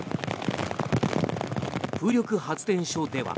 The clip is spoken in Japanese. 風力発電所では。